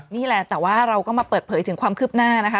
นี่แหละแต่ว่าเราก็มาเปิดเผยถึงความคืบหน้านะคะ